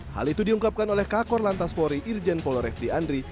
hal itu diungkapkan oleh kakor lantas pori irjen polorefdi andri